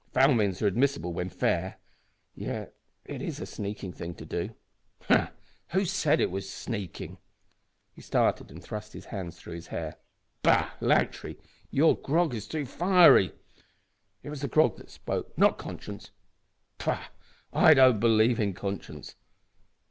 Foul means are admissible when fair yet it is a sneaking thing to do! Ha! who said it was sneaking?" (He started and thrust his hands through his hair.) "Bah! Lantry, your grog is too fiery. It was the grog that spoke, not conscience. Pooh! I don't believe in conscience.